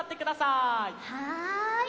はい。